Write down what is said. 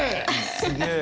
すげえ。